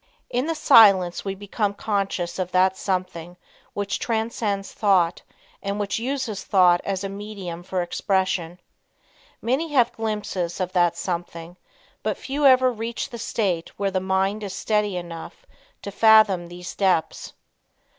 In the silence we become conscious of "that something" which transcends thought and which uses thought as a medium for expression. Many have glimpses of "that something," but few ever reach the state where the mind is steady enough to fathom these depths.